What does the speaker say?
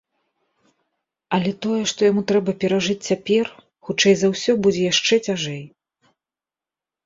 Але тое, што яму трэба перажыць цяпер, хутчэй за ўсё, будзе яшчэ цяжэй.